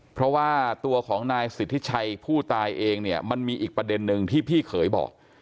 เพราะว่าตัวของนายสิทธิชัยผู้ตายเองเนี่ยมันมีอีกประเด็นนึงที่พี่เขยบอก